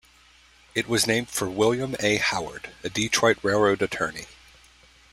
It was named for William A. Howard, a Detroit railroad attorney.